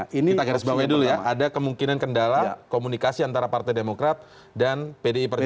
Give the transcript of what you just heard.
kita garis bawahi dulu ya ada kemungkinan kendala komunikasi antara partai demokrat dan pdi perjuangan